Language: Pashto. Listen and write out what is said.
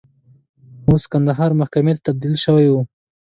اوس کندهار محکمې ته تبدیل شوی و.